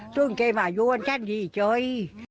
ส่วนเกมมาอยู่อันท่านดีจ้อย